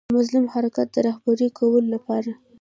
د منظم حرکت د رهبري کولو لپاره.